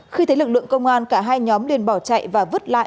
khi thấy lực lượng công an cả hai nhóm đền bỏ chạy và vứt lại